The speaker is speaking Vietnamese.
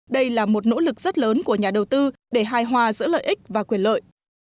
đây là một nỗ lực rất lớn của nhà đầu tư để hài hòa giữa lợi ích và quyền lợi